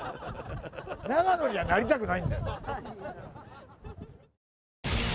永野にはなりたくないんだよ。